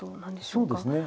そうですね。